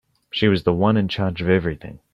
She was the one in charge of everything.